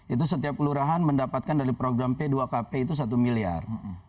itu setiap kelurahan mendapatkan dari program p dua kp itu satu miliar